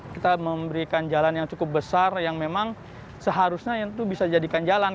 kita memberikan jalan yang cukup besar yang memang seharusnya itu bisa jadikan jalan